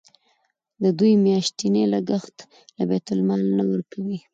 د دوی میاشتنی لګښت له بیت المال نه ورکوئ.